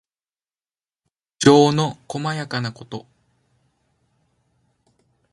情のこまやかなこと。